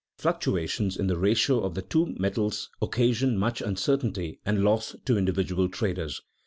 Fluctuations in the ratio of the two metals occasion much uncertainty and loss to individual traders.